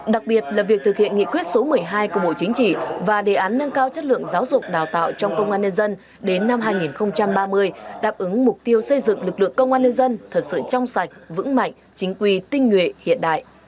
đặc biệt là việc thực hiện nghị quyết số một mươi hai của bộ chính trị và đề án nâng cao chất lượng giáo dục đào tạo trong công an nhân dân đến năm hai nghìn ba mươi đáp ứng mục tiêu xây dựng lực lượng công an nhân dân thật sự trong sạch vững mạnh chính quy tinh nguyện hiện đại